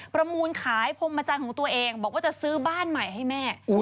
ประมูลขายพรมจันทร์ของตัวเองบอกว่าจะซื้อบ้านใหม่ให้แม่